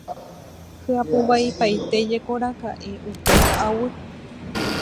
Hyapuvaipaitéjekoraka'e upe ka'aguy.